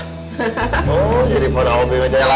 oh jadi mau ngoblin aja lah